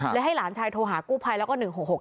ให้หลานชายโทรหากู้ภัยแล้วก็๑๖๖